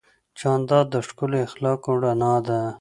جانداد د ښکلو اخلاقو رڼا ده.